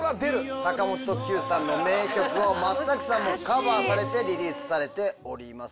坂本九さんの名曲を松崎さんもカバーされてリリースされております。